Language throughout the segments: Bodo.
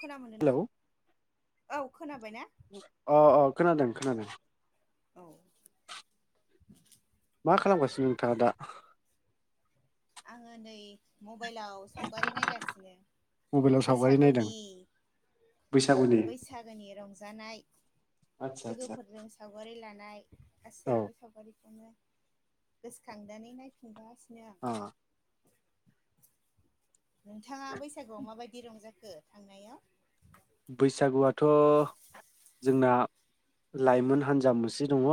खोना मोनो हेलौ औ खोनाबायना अ अ खोनादों खोनादों औ मा खालामगासिनो नोंथाङा दा? आङो नै म मबाइलाव सावगारि नायगासिनो मबाइलाव सावगारि नायदों बैसागुनि बैसागुनि बैसागोनि रंजानाय आतसा आतसा लोगोफोरजों सावगारि लानाय औ गासैबो सावगारिखौनो। गोसोखांनानै नायफिनगासि अ नोंथाङा बैसागोआव माबायदि रंजाग हो थांनायाव बैसागुआथ जोंना लाइमोन हान्जा मोनसे दङ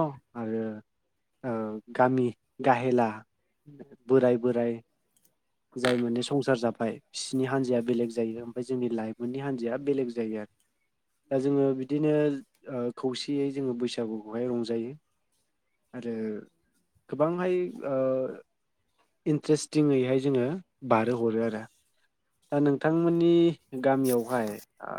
आरो गामि गाहेला बोराय बोराय जाय माने संसार जाब ओमफ्राय बिसिरनि हान्जायो बेलेग जायो ओमफ्राय जोंनि लाइमोननि हानजाया बेलेग। ज दा जोङो बिदिनो ओ खौसेयै जोङो बैसागुखौहाय रंजायो आरो गोबांहाय ओ इन्टेरेस्टिंङैहाय जोङो बारो हरो आरो। दा नोंथांमोननि गामियावहाय आ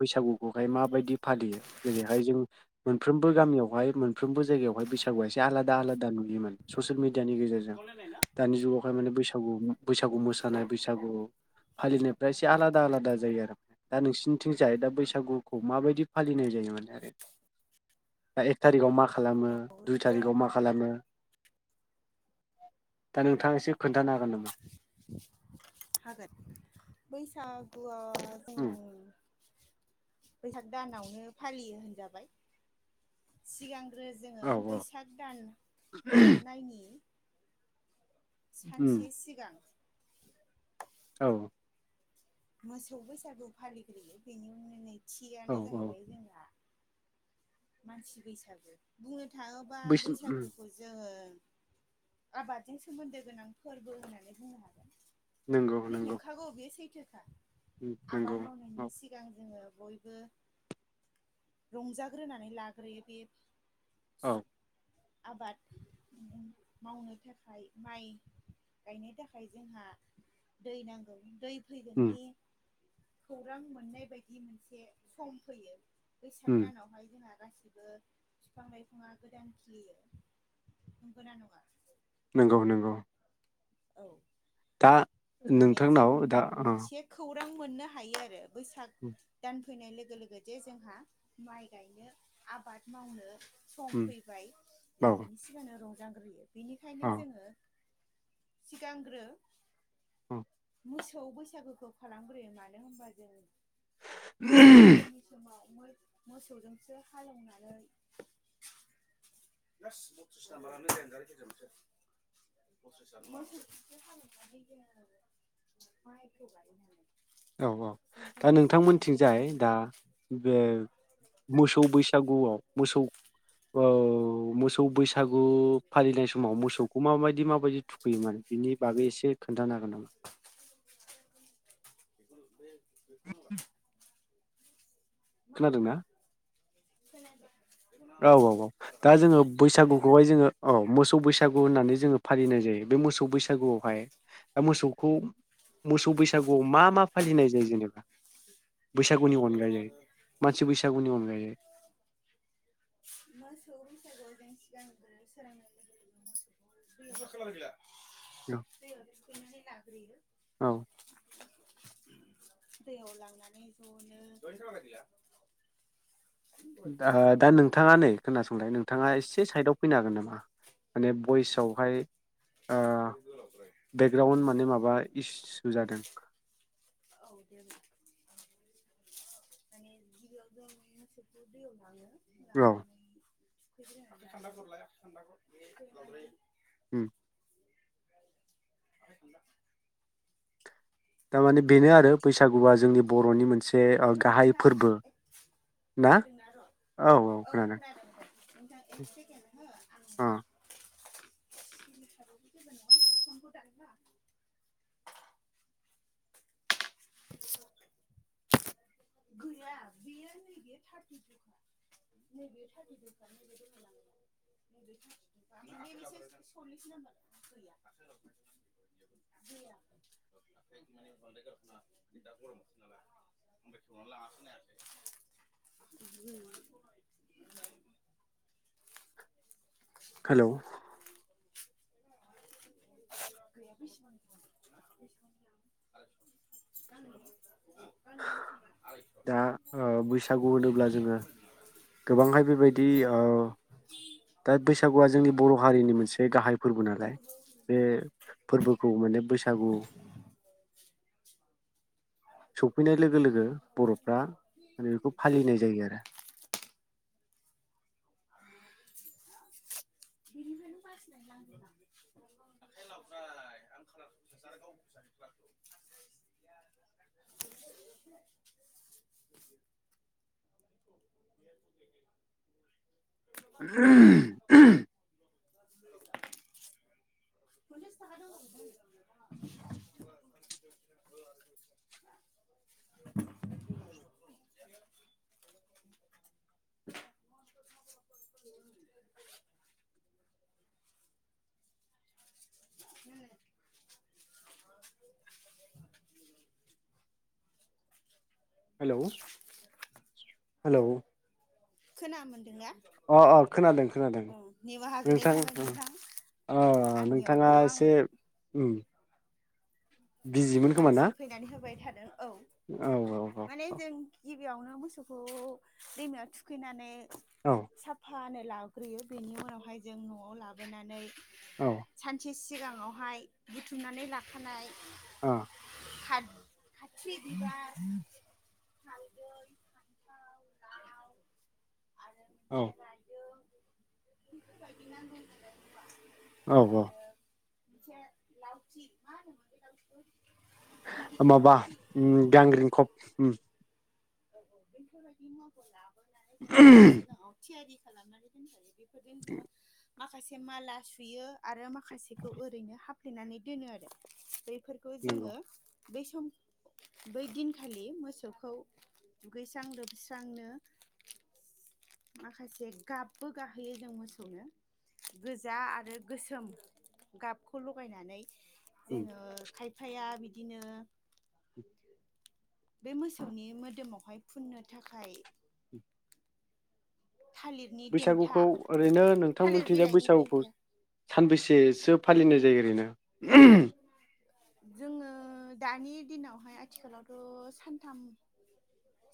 बैसागुखौहाय माबायदि फालियो जेरैहाय जों मोनफ्रोमबो गामियावहाय मोनफ्रोमबो जायगायावहाय बैसागुआ एसे आलादा आलादा नुयोमोन ससियेल मिडिया नि गेजेरजों दानि जुगाव माने बैसागु बैसागु मोसानाय बैसागु फालिनायफ्रा एसे आलादा आलादा जायो आरो दा नोंसिनिथिं जाय दा बैसागुखौ माबायदि फालिनाय जायो माने आरो दा एक थारिखाव मा खालामो दुइ जों थारिखाव मा खालामो दा नोंथाङा एसे खोन्थानो हागोन नामा। बैसागु उम। बैसाग दानावनो फालियो होनजाबाय। सिगां आरो जोङो औ बैसाग दान हाबनायनि उम सानसे सिगां औ। मोसौ बैसागो फालिग्रोयो बेनि उन नै औ थियानो औ जाहैबाय जोंहा मानसि बैसागो। बुङो थाङोबा बैस उम बैसागुखौ जोङो आबादजों सोमोन्दो गोनां फोर्बो होन्नानै बुंनो हागोन। नंगौ माने नंगौ नोंखागौ बे सैथो। उम नंगौ आबाद औ मावनायनि सिगां जोङो बयबो रंजा ग्रोनानै लाग्रोयो बे औ। आबाद मावनो थाखाय माइ गायनो थाखाय जोंहा दै नांगौ। दै उम फैगोननि खौरां मोन्नाय बायदि मोनसे सम फैयो बैसाग उम दानावहाय जोंहा गासिबो फिफां लाइफाङा गोदान खिलियो। नंगोना नङा? नोंगौ नोंगौ। औ। दा नोंथांनाव दा ओ रां मोन्नो हायो आरो बैसाग दान फैनाय लोगो लोगो जे जोंहा माइ गायनो आबाद मावनो सम उम फैबाय औ जों बिनि सिगांनो रंजा औ बिनिखायनो जोङो सिगांग्रो उम। मोसौ बैसागोखौ खालामग्रोयो मानो होनबा जों गोदोनि समाव मो मोसौजोंसो हालेवनानै [inaudible] औ औ दा नोंथांमोन्थिंजाय दा बे मोसौ बैसागुआव मोसौ ओ मोसौ बैसागु फालिनाय समाव मोसौखौ माबायदि माबायदि थुखैयोमोन बिनि बागै एसे खोन्थानो हा नों [unintelligible] [inaudible] खोनादोंना खोनायाखै औ औ औ दा जोङो बैसागुखौहाय जोङो औ मोसौ बैसा बसागु होननानै जोङो फालिनाय जायो बे मोसौ बैसागुआवहाय मोसौखौ मोसौ बैसागुआव मा मा फालिनाय जायो जेनेबा? बैसागुनि अनगायै मानसि बैसागुनि अनगायै [unintelligible] [unintelligible] [unintelligible] गाग्रोयो औ दैयाव लांनानै खौनो [unintelligible] गाहा दा नोंथाङा नै खोनासंलाय नोंथाङा एसे सायदआव फैनो हागोन नामा माने बयसावहाय अ बेग्राउनड माने माबा इस सोजादों औ दे माने गिबियाव जों [unintelligible] दै आव लांङो औ [unintelligible] खान्थाखौ हरलाय खान्था [unintelligible] अम [inaudible] दा माने बेनो आरो बैसागुआ जोंनि बर'नि मोनसे खान्दा र' गाहाय नोंथां आं फोरबो ए ना खोनादोंना र' औ औ खोनादों दे नोंथां एक सेकेन्ड हो आं अ। [unintelligible] गैया बियो नैबे थारतिटु-नैबे थारतिटु [unintelligible] नै मोनसे सलिस नाम्बार गैया-गैया। दा गरमबोथोर नालाय [unintelligible] अम हो। हेलौ गैया बेसेबां-बेसेबां [unintelligible] आंनि आंनिबो एसांला दा ओ बैसागु होनोब्ला जोङो गोबांहाय बेबायदि ओ दा बैसागुआ जोंनि बर हारिनि मोनसे गाहाय फोरबो नालाय बे फोरबोखौ माने बैसागु सफैनाय लोगो-लोगो बर'फ्रा बेखौ फालिनाय जायो आरो [unintelligible] [inaudible] [inaudible] [inaudible] [inaudible] [inaudible] हेलौ-हेलौ खोना मोन्दोंना? अ अ खोनादों खोनादों। निमाहा बिनाय नोंथां थाबाय उम नोंथां आंनियाव नोंथाङा गोबां एसे उम बिजिमोन खोमा ना मानसि फैनानै होबाय थाद औ औ औ औ। बेयावनो मोसौखौ दैमायाव थुखैनानै औ साफानो लाग्रोयो बेनि उनावहाय जों न'आव लाबोनानै औ सानसे सि सिगांआव हाय बुथुमनानै लाखानाय ओ। थाद हाथि बिबार हालदै फान्थाव लाव औ आरो मोनसेआ रायदों बिबाय होनबा औ औ। मोनसे लावथि। मा होनोमोन बे लावथिखौ? दिगिलि माबा लावथि ना मा होनो गांग्रिंखब औ औ बैफोरबादि [unintelligible] सानसे सिगाङाव थियारि खालामनानै दोनजायो [inaudible] माखासे माला सुयो आरो मा खासेखौ ओरैनो हा सोनानै दोनो आरो बै फोरखौ नंगौ जोङो बै सम बै दिनखालि मोसौखौ दुगैस्रां लोबस्रांनो माखासे गाबबो गाहोयो जों मोसौनो। गोजा आरो गोसोम गाबखौ लगायनानै उम जोङो खाय फाया बिदिनो बे मोसौनि मोदोमावहाय फुन्नो थाखाय थालिरनि बैसागुखौ देन्था ओरैनो थालिर नोंथांमोन्थिजाय बिलाइनि बैसागुखौ दिंखिया सानबैसेसो फालिनाय जायो ओरैनो? [inaudible] जोङो दानि दिनावहाय आथिखालावथ सान्थाम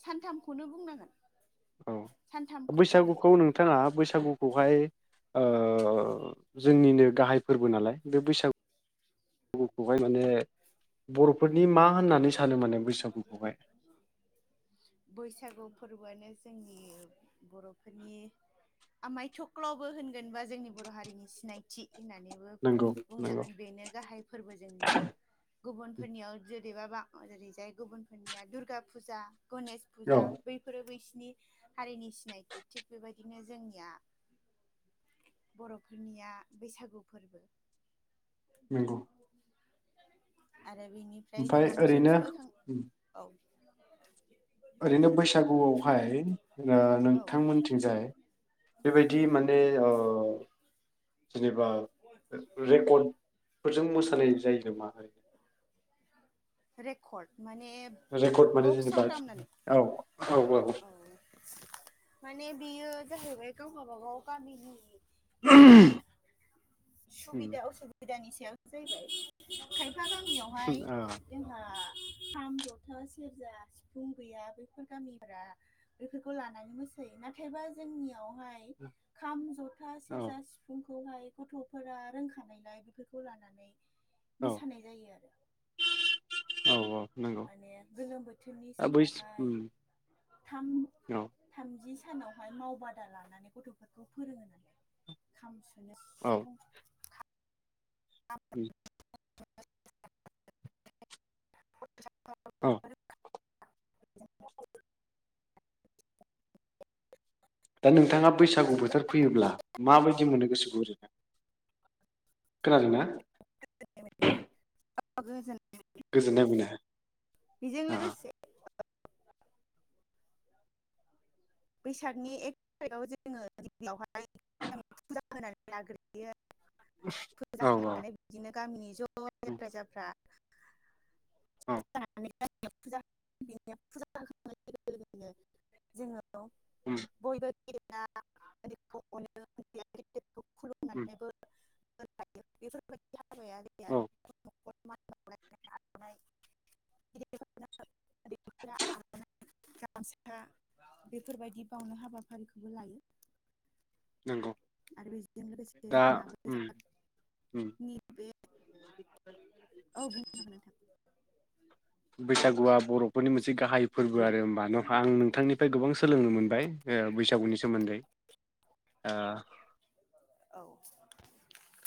सान्थामखौनो बुंनांगोन। औ सानथामखौ फालियो बैसागुखौ नोंथाङा बैसागुखौहाय ओ जोंनि नो गाहाय फोरबो नालाय बे बैसा गु फोरखौहाय माने बर'फोरनि मा होननानै स बैसागु फोरबो आनो जोंनि बर'फोरनि आमायथख्लबो होनगोनबा जोंनि बर' हारिनि सिनायथि। होननानैबो नंगौ नंगौ बुंजागोन बेनो गाहाय फोरबो जोंनिया गुबुनफोरनियाव जो बेबाबा ओरैजाय गुबुन फोरनिया दुर्गा फुजा गनेश औ फुजा बैफोरो बै नि हारिनि सिनायथि थिग बेबायदिनो जोंनिया बर'फोरनिया बैसागु फोरबो नंगौ। आरो बेनिफ्राय ओमफ्राय जोंहा मोसौ ओरैनो थुखैखां औ ओरैनो बैसागु आवहाय ओ औ नोंथांमोनथिंजाय बेबायदि औ माने ओ जेनेबा रेकर्ड फोरजों मोसानाय जायो जों मा होनो? रेकर्ड माने माने जेनेबा बक्सआव दामनानै औ औ माने बेयो जाहैबाय गावबा गाव गामिनि [unintelligible] सुबिदा असुबिदानि सायाव [unintelligible] सा गामियावहाय जोंहा खाम, जथा, सेरजा, सिफुं गैया बैफोर गामिफोरा बेफोरखौ लानानै मोसायो नाथायबा जोंनियाव याव हाय खाम, जथा, औ सेरजा, सिफुं खौहाय [unintelligible] फोरा रोंखानायलाय बेफोरखौ लानानै औ औ। मोसानाय जायो आरो औ औ नंगौ माने गोलोम बोथोरनि दा बै समावहाय उम थाम औ थामजि सानावहाय मावबादा लानानै गथ'फोरखौ फोरोंङो नालाय खाम सुनो औ सिफुं उम [unintelligible] अ औ नोंथाङा बैस सागु बोथोर फैयोब्ला माबायदि मोनो गोसोखौ ओरैहाय खोनादों ना? [unintelligible] अ गोजोन गोजोननाय मोनो बेजों आह लोगोसे बैसागनि एक थारिआव जोंङो दियावहाय फुजा होनानै लाग्रोयो औ फोजा औ होनानै बिदिनो गामिनि ज'रायजो उम राजाफ्रा औ [unintelligible] [unintelligible] जोंङो औ उम बयबो [unintelligible] [unintelligible] उम खुलुमनानैबो [unintelligible] बिफोर बायदिया औ [unintelligible] [unintelligible] गामसा बेफोरबायदि बावनो हाबाफारिखौबो लायो। नंगौ आरो बेजों लोगोसे दा जोंहा उम उम [unintelligible] बे औ बुंनो हागोन नोंथां बैसागुआ बर'फोरनि मोनसे गाहाय फोरबो आरो होमबा न आं नोंथांनिफ्राय गोबां सोलोंनो मोनबाय ओ बैसागुनि सोमोन्दै ओ औ